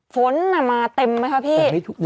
ฝนมาเต็มไหมคะพี่